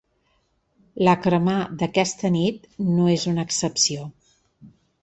La cremà d’aquesta nit no és una excepció.